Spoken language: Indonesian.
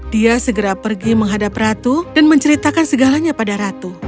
dia segera pergi menghadap ratu dan menceritakan segalanya pada ratu